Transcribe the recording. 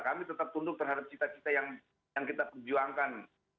kami tetap tunduk terhadap cita cita yang kita perjuangkan